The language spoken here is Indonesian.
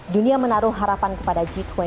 dunia menaruh harapan kepada g dua puluh